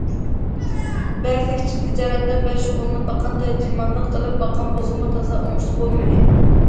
بەزى كىچىك تىجارەتلەر بىلەن شۇغۇللىنىپ باققان، تەرجىمانلىق قىلىپ باققان بولسىمۇ، تازا ئوڭۇشلۇق بولمىدى.